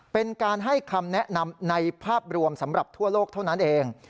เป็นการให้คำแนะนำในภาพรวมสำหรับทั่วโลกเท่านั้นเอง